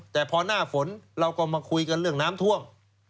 แต่พอหน้าฝนเราก็มาคุยกันเรื่องน้ำท่วม